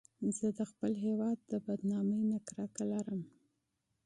زه د خپل هېواد د بدنامۍ نه کرکه لرم